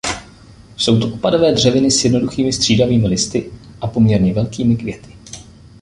Jsou to opadavé dřeviny s jednoduchými střídavými listy a poměrně velkými květy.